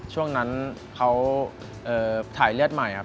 ช่วงนั้นเขาถ่ายเลือดใหม่ครับ